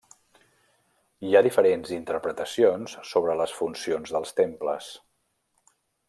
Hi ha diferents interpretacions sobre les funcions dels temples.